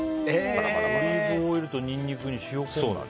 オリーブオイルとニンニクに塩昆布。